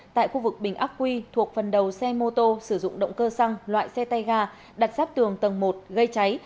tại khu vực bình ác quy thuộc phần đầu xe mô tô sử dụng động cơ xăng loại xe tay ga đặt sáp tường tầng một gây cháy